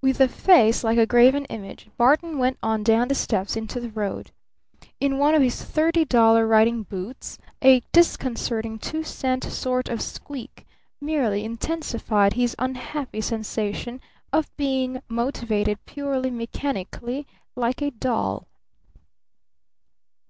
With a face like a graven image Barton went on down the steps into the road. In one of his thirty dollar riding boots a disconcerting two cent sort of squeak merely intensified his unhappy sensation of being motivated purely mechanically like a doll.